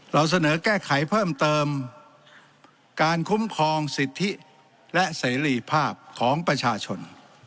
เราเสนอแก้ไขเพิ่มเติมการคุ้มครองสิทธิและเสรีภาพของประชาชน